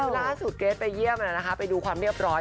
คือล่าสุดเกรทไปเยี่ยมไปดูความเรียบร้อย